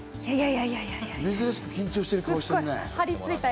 珍しく緊張した顔してるね。